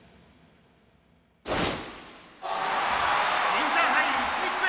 「インターハイ１日目